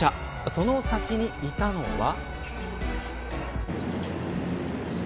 その先にいたのは。